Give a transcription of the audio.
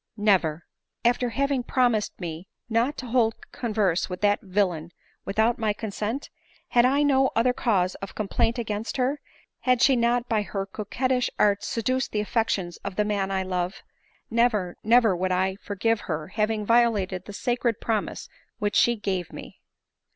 " Never ;— after having promised me not to hold con verse with that villain without my concent ? Had I no other cause of complaint against her ; had she not by her coquettish arts seduced the affections of the man I loved ; never, never would I forgive her having violated the sacred promise which she gave me."